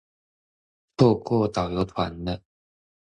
錯過導遊團了